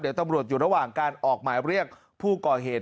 เดี๋ยวตำรวจอยู่ระหว่างการออกหมายเรียกผู้ก่อเหตุ